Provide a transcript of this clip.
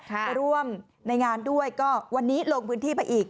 ไปร่วมในงานด้วยก็วันนี้ลงพื้นที่ไปอีก